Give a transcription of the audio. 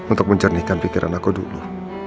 untuk mencernihkan pikiran aku dulu